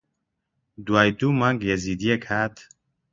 دوای دوو مانگ یەزیدییەک هات